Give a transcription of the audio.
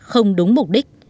không đúng mục đích